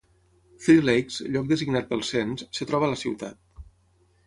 Three Lakes, lloc designat pel cens, es troba a la ciutat.